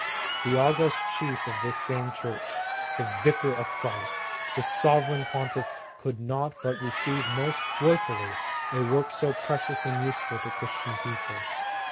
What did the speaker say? "The august Chief of this same Church, the Vicar of Christ, the Sovereign Pontiff, could not but receive most joyfully, a work so precious and useful to Christian people.